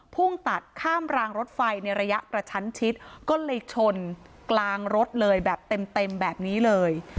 พุ่งตัดข้ามรางรถไฟในระยะกระชั้นชิดก็เลยชนกลางรถเลยแบบเต็มแบบนี้เลย